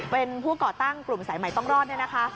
เป็นผู้ก่อตั้งกลุ่มสายหมายต้องรอดนะคะ